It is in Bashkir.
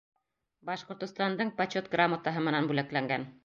Башҡортостандың Почет грамотаһы менән бүләкләнгән.